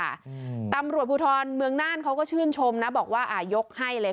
อืมตำรวจภูทรเมืองน่านเขาก็ชื่นชมนะบอกว่าอ่ายกให้เลย